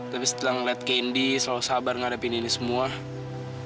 tapi setelah ngeliat candy selalu sabar nggak ada perasaan